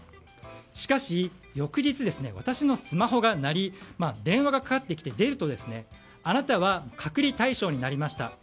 しかし、翌日私のスマホが鳴り電話がかかってきて、出るとあなたは隔離対象になりました。